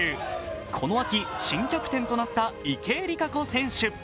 この秋新キャプテンとなった池江璃花子選手。